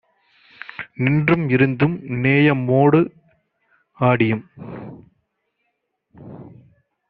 நின்றும் இருந்தும் நேயமோடு ஆடியும்